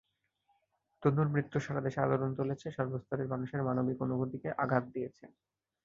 তনুর মৃত্যু সারা দেশে আলোড়ন তুলেছে, সর্বস্তরের মানুষের মানবিক অনুভূতিকে আঘাত দিয়েছে।